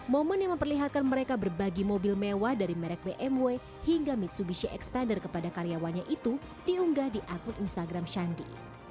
momen yang memperlihatkan mereka berbagi mobil mewah dari merek bmw hingga mitsubishi expander kepada karyawannya itu diunggah di akun instagram sandi